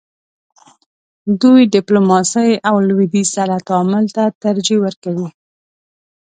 دوی ډیپلوماسۍ او لویدیځ سره تعامل ته ترجیح ورکوي.